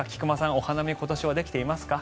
お花見、今年はできていますか？